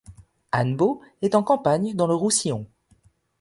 Annebault est en campagne dans le Roussillon.